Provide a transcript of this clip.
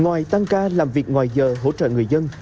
ngoài tăng ca làm việc ngoài giờ hỗ trợ người dân